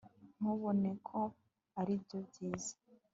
Ntubona ko aribyo byiza